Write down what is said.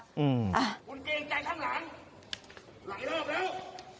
อืมอ่ะคุณเกรงใจข้างหลังหลายรอบแล้ว